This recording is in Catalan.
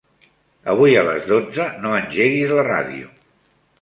Avui a les dotze no engeguis la ràdio.